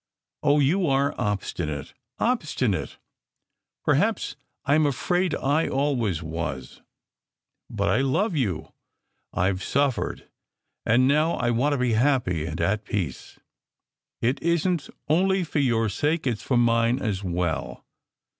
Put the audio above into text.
"Oh, you are obstinate obstinate!" "Perhaps! I m afraid I always was. But I love you. I ve suffered, and now I want to be happy and at peace. It isn t only for your sake. It s for mine as well.